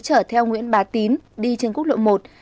chở theo nguyễn bá tín đi trên quốc lộ một